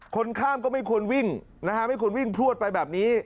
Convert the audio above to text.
คนข้ามก็ไม่ควรวิ่งนะฮะไม่ควรวิ่งพลวดไปแบบนี้